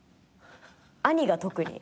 兄が特に。